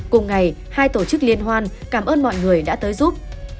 cùng ngày hai tổ chức liên hoan cảm ơn mọi người đã tới giúp